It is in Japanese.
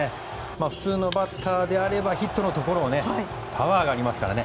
普通のバッターであればヒットのところをパワーがありますからね